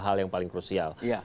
hal yang paling krusial